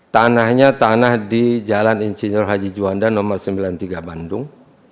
tanahnya di jalan ingeniur haji juwanda nomor sembilan puluh tiga bandung